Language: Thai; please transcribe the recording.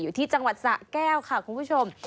อยู่ที่จังหวัดสะแก้วค่ะคุณผู้ชม